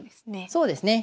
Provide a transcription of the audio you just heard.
そうですね。